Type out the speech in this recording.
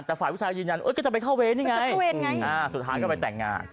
แต่ฝ่ายผู้ชายยืนยันก็จะไปเข้าเวรนี่ไงสุดท้ายก็ไปแต่งงาน